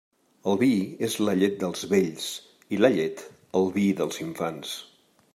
El vi és la llet dels vells, i la llet, el vi dels infants.